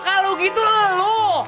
kalau gitu leluh